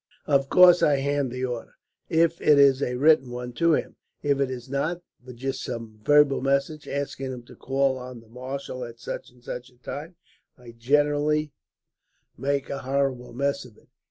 Of course I hand the order, if it is a written one, to him. If it is not, but just some verbal message, asking him to call on the marshal at such and such a time, I generally make a horrible mess of it.